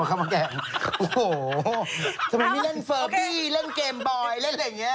โอ้โหทำไมไม่เล่นเฟอร์บี้เล่นเกมบอยเล่นอะไรอย่างเงี้